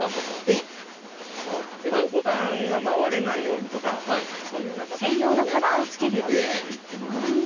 えっとボタンが割れないようにとかこういうふうな形で保護をしていってます。